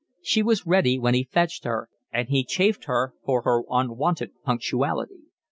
She was ready when he fetched her, and he chaffed her for her unwonted punctuality.